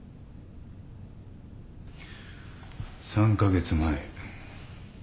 ３カ月前。